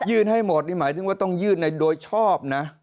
ให้หมดนี่หมายถึงว่าต้องยื่นในโดยชอบนะ